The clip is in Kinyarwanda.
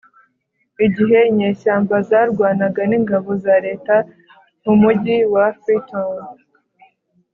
igihe inyeshyamba zarwanaga n ingabo za leta mu mugi wa Freetown